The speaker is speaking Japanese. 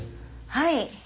はい。